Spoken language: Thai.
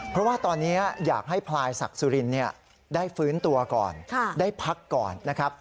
เพราะว่าตอนนี้อยากให้พลายศักดิ์สุรินได้ฟื้นตัวก่อนได้พักก่อนนะครับ